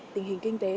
tình hình kinh tế